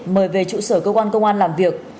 mời về trụ sở cơ quan công an làm việc